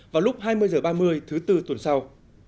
vào lúc hai mươi h ba mươi thứ bốn tuần sau